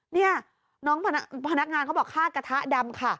นี่น้องพนักงานเขาบอกฆ่ากระทะดำค่ะ